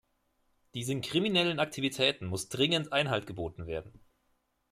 Diesen kriminellen Aktivitäten muss dringend Einhalt geboten werden.